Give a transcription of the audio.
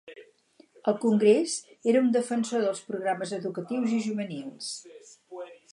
Al congrés era un defensor dels programes educatius i juvenils.